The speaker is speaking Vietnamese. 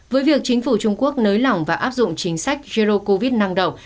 với việc chính phủ trung quốc nới lỏng và áp dụng chính sách zero covid năng động